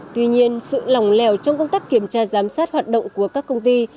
tuy nhiên sự lòng lẻo trong công tác kiểm tra giám sát hoạt động của các công ty